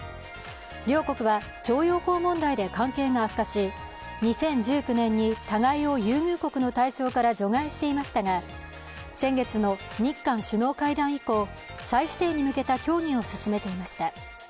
両国は徴用工問題で関係が悪化し、２０１９年に、互いを優遇国の対象から除外していましたが先月の日韓首脳会談以降再指定に向けた協議を進めていました。